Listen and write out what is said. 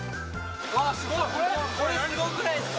これすごくないですか？